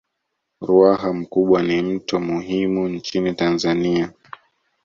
Ruaha Mkubwa ni mto muhimu nchini Tanzania